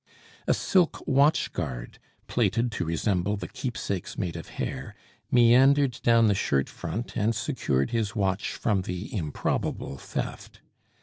A silk watch guard, plaited to resemble the keepsakes made of hair, meandered down the shirt front and secured his watch from the improbable theft.